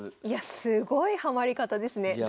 いやすごいハマり方ですね。